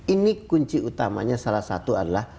ini kunci utamanya salah satu adalah